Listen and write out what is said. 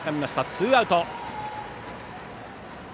ツーアウト。